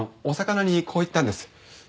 オサカナにこう言ったんです。